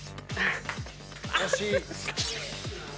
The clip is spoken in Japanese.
惜しい。